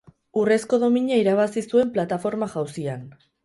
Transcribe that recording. Urrezko domina irabazi zuen plataforma-jauzian.